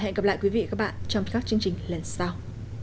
hẹn gặp lại quý vị và các bạn trong các chương trình lần sau